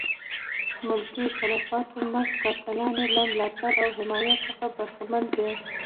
ملکي تلفاتو مست قاتلان یې له ملاتړ او حمایت څخه برخمن دي.